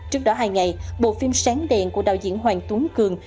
trước đó hai ngày bộ phim sáng đèn của đạo diễn hoàng tuấn cường